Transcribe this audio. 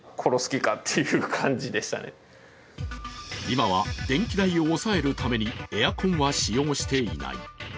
今は電気代を抑えるためにエアコンは使用していない。